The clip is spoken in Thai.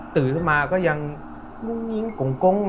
ตื่นมาก็ยังโกง